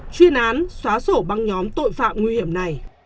chuyên án xóa sổ băng nhóm tội phạm nguy hiểm này